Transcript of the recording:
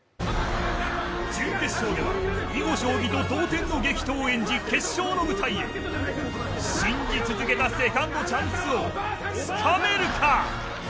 準決勝では囲碁将棋と同点の激闘を演じ、決勝の舞台へ信じ続けたセカンドチャンスをつかめるか。